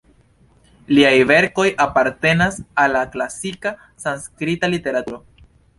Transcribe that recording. Liaj verkoj apartenas al la klasika sanskrita literaturo.